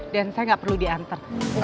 dan saya nggak perlu dianter